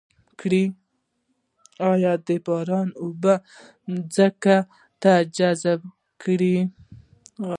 آیا د باران اوبه ځمکې ته جذب کړم؟